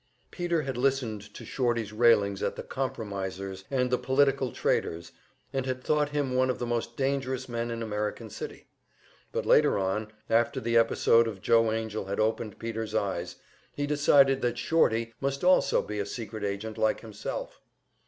Peter had listened to "Shorty's" railings at the "compromisers" and the "political traders," and had thought him one of the most dangerous men in American City. But later on, after the episode of Joe Angell had opened Peter's eyes, he decided that "Shorty" must also be a secret agent like himself.